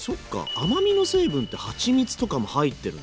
甘みの成分ってはちみつとかも入ってるんだ！